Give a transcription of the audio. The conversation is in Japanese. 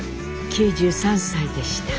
９３歳でした。